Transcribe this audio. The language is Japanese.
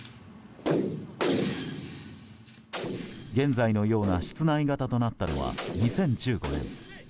現在のような室内型となったのは２０１５年。